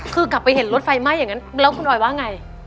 คือกลับไปเห็นรถไฟไหม้อย่างนั้นแล้วคุณบอยว่าไง